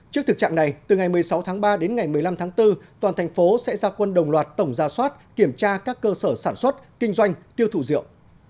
trước thực trạng này từ ngày một mươi sáu tháng ba đến ngày một mươi năm tháng bốn toàn thành phố sẽ ra quân đồng loạt tổng ra soát kiểm tra các cơ sở sản xuất kinh doanh tiêu thụ rượu